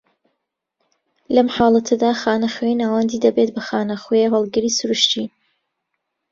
لەم حاڵەتەدا، خانە خوێی ناوەندی دەبێت بە خانی خوێی هەڵگری سروشتی